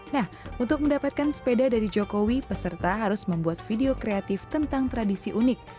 nah untuk mendapatkan sepeda dari jokowi peserta harus membuat video kreatif tentang tradisi unik